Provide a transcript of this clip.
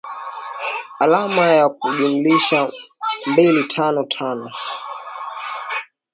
alama ya kujumlisha mbili tano tano